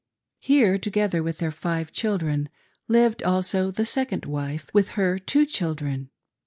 Here, together with their five children, lived also the second wife, with her two children.